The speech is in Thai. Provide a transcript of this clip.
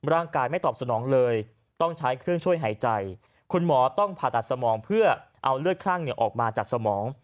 ร่างกายไม่ตอบสนองเลยต้องใช้เครื่องช่วยหายใจคุณหมอต้องผ่าตัดสมองเพื่อเอาเลือดคลั่งออกมาจากสมอง